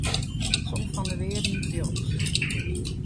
Som fan de wearden rjochts.